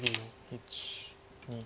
１２。